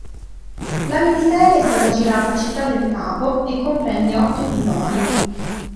La miniserie è stata girata a Città del Capo e comprende otto episodi.